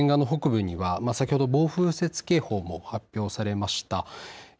沿岸の北部には先ほど暴風雪警報も発表されました。